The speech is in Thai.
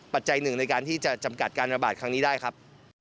ปัจจัยหนึ่งในการที่จะจำกัดการระบาดครั้งนี้ได้ครับ